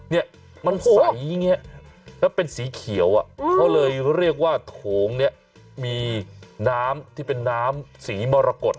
เนี่ยมันใสอย่างนี้แล้วเป็นสีเขียวอ่ะเขาเลยเรียกว่าโถงเนี่ยมีน้ำที่เป็นน้ำสีมรกฏ